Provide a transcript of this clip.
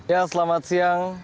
ya selamat siang